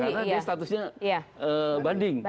karena dia statusnya banding